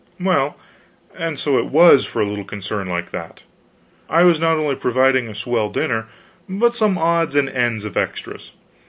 Well, and so it was, for a little concern like that. I was not only providing a swell dinner, but some odds and ends of extras.